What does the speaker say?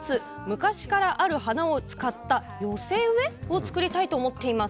昔からある花を使った寄せ植えを作りたいと思っています。